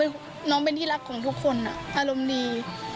คือน้องเป็นที่รักของทุกคนอารมณ์ดี